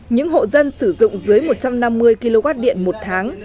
những hộ dân sử dụng dưới một trăm năm mươi kw điện một tháng